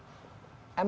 emang ada faktornya